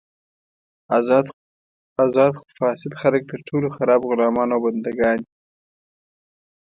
ازاد خو فاسد خلک تر ټولو خراب غلامان او بندګان دي.